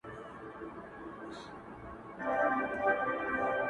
ای هی ځــوانۍ ســـــــتا راتګ کرار کرار